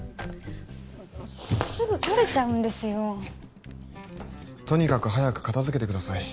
すぐ取れちゃうんですよとにかく早く片付けてください